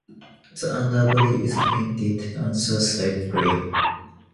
The underbody is painted Anthracite Gray.